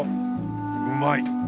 うまい！